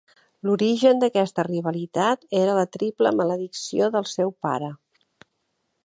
L'origen d'aquesta rivalitat era la triple maledicció del seu pare.